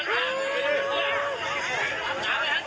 นั้น